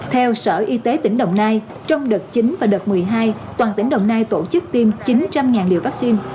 theo sở y tế tỉnh đồng nai trong đợt chín và đợt một mươi hai toàn tỉnh đồng nai tổ chức tiêm chín trăm linh liều vaccine